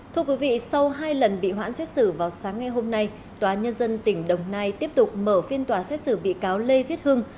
thưa quý vị sau hai lần bị hoãn xét xử vào sáng ngày hôm nay tòa nhân dân tỉnh đồng nai tiếp tục mở phiên tòa xét xử bị cáo lê viết hưng